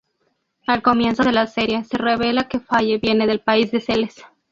Al comienzo de la serie, se revela que Fye viene del país de Celes.